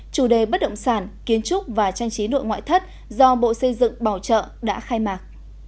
chủ đề bất động sản kiến trúc và trang trí nội ngoại thất do bộ xây dựng bảo trợ đã khai mạc